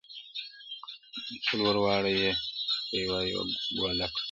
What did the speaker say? څلور واړه یې یوه یوه ګوله کړه -